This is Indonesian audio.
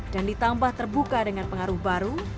dan ditambah terbuka dengan pengaruh baru